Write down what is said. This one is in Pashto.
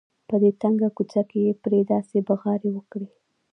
په دې تنګه کوڅه کې یې پرې داسې بغارې وکړې.